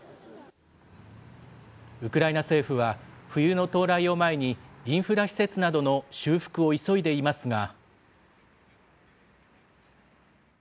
ウクライナ政府は、冬の到来を前に、インフラ施設などの修復を急いでいますが。